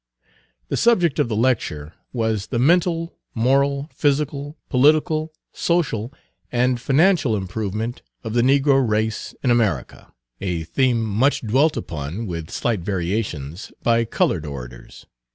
The subject of the lecture was "The Mental, Moral, Physical, Political, Social, and Financial Improvement of the Negro Race in America," a theme much dwelt upon, with slight variations, by colored orators.